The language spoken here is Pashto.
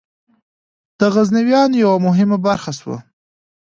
د غزنویانو یوه مهمه برخه شوه.